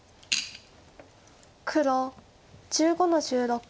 黒１５の十六。